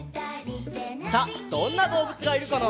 さあどんなどうぶつがいるかな？